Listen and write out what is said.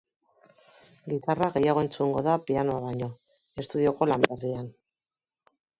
Gitarra gehiago entzungo da pianoa baino, estudioko lan berrian.